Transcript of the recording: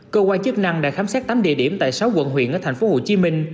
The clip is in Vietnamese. cơ quan chức năng đã khám xét tám địa điểm tại sáu quận huyện ở tp hcm